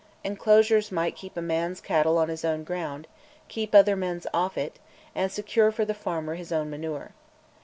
Enclosures might keep a man's cattle on his own ground, keep other men's off it, and secure for the farmer his own manure.